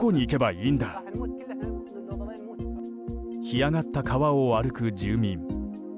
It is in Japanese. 干上がった川を歩く住民。